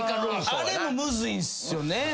あれもむずいっすよね。